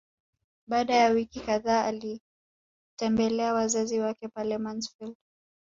Baada ya wiki kadhaa alitembelea wazazi wake pale Mansfeld